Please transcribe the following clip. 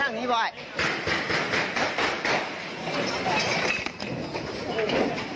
หาเค้าหยุด